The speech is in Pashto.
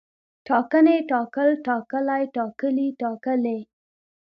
ټاکنې، ټاکل، ټاکلی، ټاکلي، ټاکلې